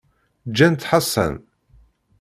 Ǧǧant Ḥasan.